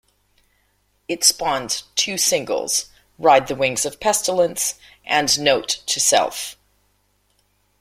It spawned two singles: "Ride the Wings of Pestilence" and "Note to Self".